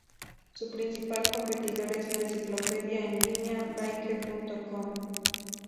Su principal competidor es la enciclopedia en línea Baike.com.